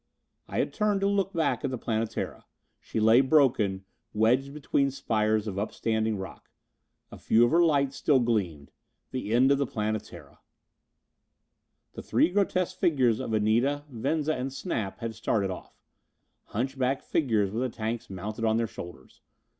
I had turned to look back at the Planetara. She lay broken, wedged between spires of upstanding rock. A few of her lights still gleamed. The end of the Planetara! The three grotesque figures of Anita, Venza and Snap had started off. Hunchback figures with the tanks mounted on their shoulders.